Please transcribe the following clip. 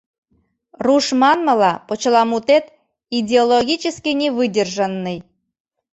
Руш манмыла, почеламутет «идеологически невыдержанный».